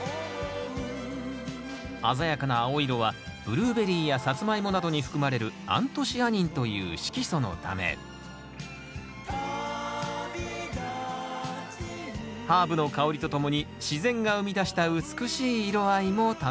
鮮やかな青色はブルーベリーやサツマイモなどに含まれるアントシアニンという色素のためハーブの香りとともに自然が生み出した美しい色合いも楽しめます